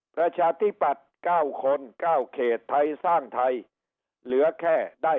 ประจาธิปัตส์เก้าคนเก้าเขตไทยสร้างไทยเหลือแค่ได้